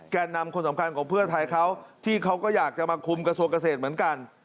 แก่นำคนสำคัญของเพื่อไทยเขาที่เขาก็อยากจะมาคุมกระทรวงเกษตรเหมือนกัน